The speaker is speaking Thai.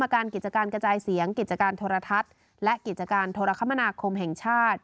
การกิจการกระจายเสียงกิจการโทรทัศน์และกิจการโทรคมนาคมแห่งชาติ